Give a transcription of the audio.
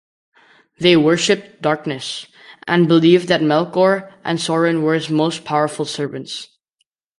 They worshipped Darkness, and believed that Melkor and Sauron were its most powerful servants.